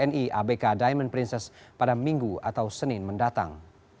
enam puluh sembilan wni abk diamond princess pada minggu atau senin mendatang